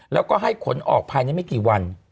แล้วก็ให้ขนออกภายในไม่กี่วัน